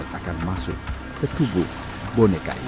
akan masuk ke tubuh boneka ini